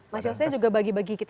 mas yose juga bagi bagi kita